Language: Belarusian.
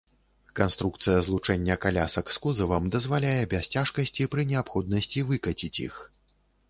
Канструкцыя злучэння калясак з кузавам дазваляе без цяжкасці пры неабходнасці выкаціць іх.